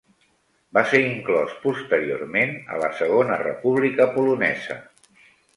Va ser inclòs posteriorment a la Segona República Polonesa.